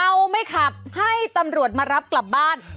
เอาไม่ขับให้ตำรวจมารับกลับบ้าน